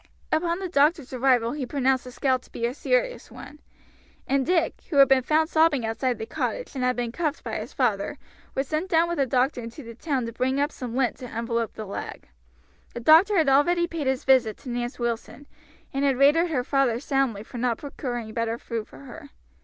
Upon the doctor's arrival he pronounced the scald to be a serious one, and Dick, who had been found sobbing outside the cottage, and had been cuffed by his father, was sent down with the doctor into the town to bring up some lint to envelop the leg. The doctor had already paid his visit to Nance Wilson, and had rated her father soundly for not procuring better food for her.